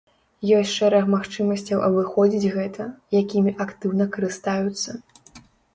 Ёсць шэраг магчымасцяў абыходзіць гэта, якімі актыўна карыстаюцца.